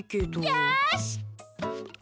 よし！